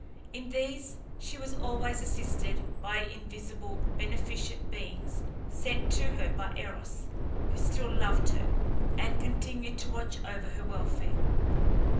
In these she was always assisted by invisible, beneficent beings, sent to her by Eros, who still loved her, and continued to watch over her welfare.